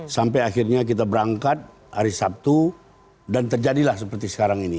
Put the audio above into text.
sampai akhirnya kita berangkat hari sabtu dan terjadilah seperti sekarang ini